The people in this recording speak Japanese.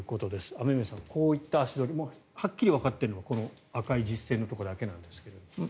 雨宮さん、こういった足取りはっきりわかっているのはこの赤い実線のところだけなんですけど。